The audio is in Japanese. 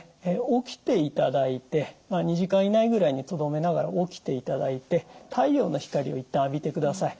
起きていただいて２時間以内ぐらいにとどめながら起きていただいて太陽の光を一旦浴びてください。